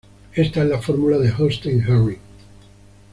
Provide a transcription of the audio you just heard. Esta es la fórmula de Holstein-Herring.